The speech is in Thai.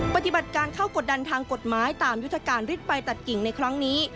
ปฏิบัติการเข้ากดดันทางกฎหมายตามยุทธการฤทธิไฟตัดกิ่งในครั้งนี้